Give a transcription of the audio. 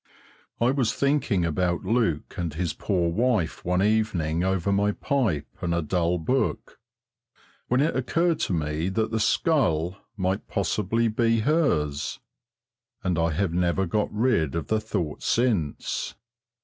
I was thinking about Luke and his poor wife one evening over my pipe and a dull book, when it occurred to me that the skull might possibly be hers, and I have never got rid of the thought since.